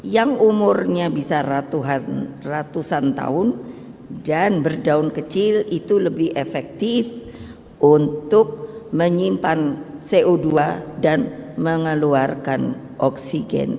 yang umurnya bisa ratusan tahun dan berdaun kecil itu lebih efektif untuk menyimpan co dua dan mengeluarkan oksigen